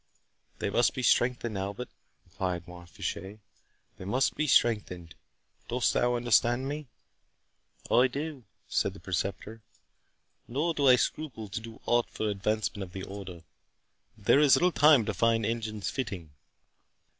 "They must be strengthened, Albert," replied Mont Fitchet, "they must be strengthened. Dost thou understand me?" "I do," said the Preceptor, "nor do I scruple to do aught for advancement of the Order—but there is little time to find engines fitting."